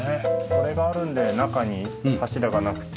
これがあるので中に柱がなくて。